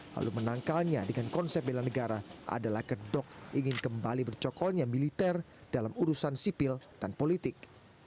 lalu menangkalnya dengan konsep bela negara adalah kedok ingin kembali bercokolnya militer dalam urusan sipil dan politik